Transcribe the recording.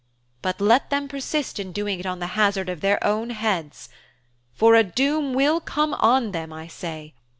But let them persist in doing it on the hazard of their own heads. For a doom will come on them, I say.